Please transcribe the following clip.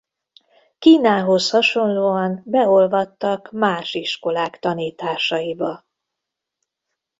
Kínához hasonlóan beolvadtak más iskolák tanításaiba.